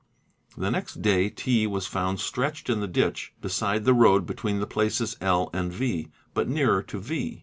The next day T. was found stretched in the ditch beside the road between the places L. and V. but nearer to V.